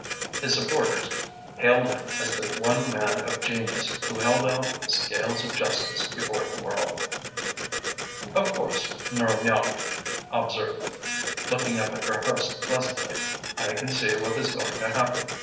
His supporters hailed him as the one man of genius who held out the scales of justice before the world. "Of course," Nora Miall observed, looking up at her host pleasantly, "I can see what is going to happen. Mr.